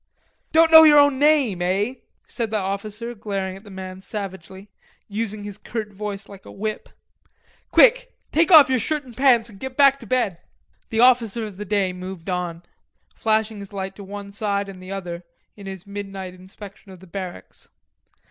"Don't know your own name, eh?" said the officer, glaring at the man savagely, using his curt voice like a whip. "Quick, take off yer shirt and pants and get back to bed." The Officer of the Day moved on, flashing his light to one side and the other in his midnight inspection of the barracks.